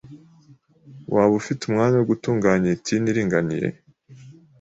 Waba ufite umwanya wo gutunganya iyi tine iringaniye?